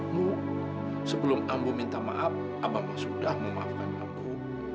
ambo sebelum ambo minta maaf abah sudah memaafkan ambo